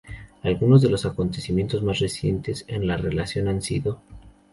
Algunos de los acontecimientos más recientes en la relación han sido;